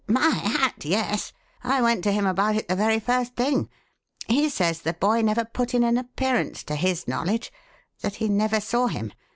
"My hat, yes! I went to him about it the very first thing. He says the boy never put in an appearance, to his knowledge; that he never saw him.